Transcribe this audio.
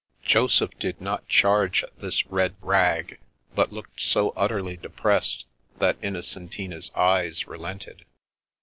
Joseph did not charge at this red rag, but looked so utterly depressed that Innocentina's eyes re lented.